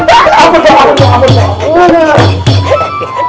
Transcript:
gak boleh susah campur